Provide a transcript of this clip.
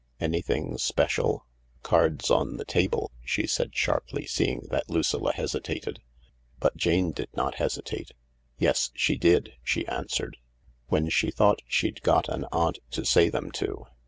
Anything special ? Cards on the table I " she said sharply, seeing that Lucilla hesitated. But Jane did not hesitate. " Yes, she did," she answered, " when she thought she'd got an aunt to say them to.